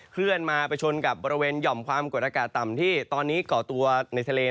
เขื่อนมาไปชนกับบริเวณหย่อมกฎอากาสต่ำที่ก่อตัวในซาเล